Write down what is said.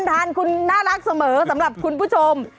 ทานคุณน่ารักเสมอสำหรับคุณผู้ชม